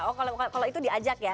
oh kalau itu diajak ya